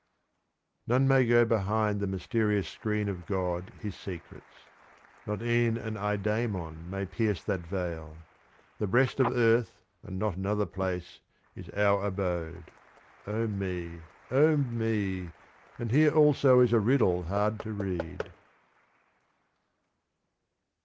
(43) None may go behind the mysterious Screen of God His Secrets; not e'en an Eydaimon may pierce that Veil. The Breast of Earth, and not another Place, is our Abode. O me! O me! and here also is a Riddle hard to read.